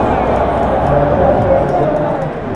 برادرت را اذیت نکن!